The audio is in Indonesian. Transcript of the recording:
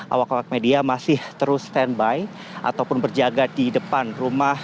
awak awak media masih terus standby ataupun berjaga di depan rumah